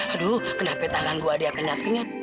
aduh kenapa tangan gue dia kena tingan